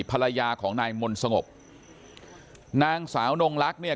ภรรยาของนายมนต์สงบนางสาวนงลักษณ์เนี่ย